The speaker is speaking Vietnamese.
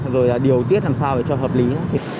rồi điều tiết làm sao để cho hợp lý